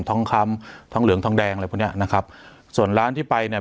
ทองคำทองเหลืองทองแดงอะไรพวกเนี้ยนะครับส่วนร้านที่ไปเนี่ย